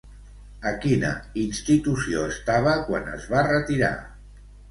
A quina institució estava quan es va retirar?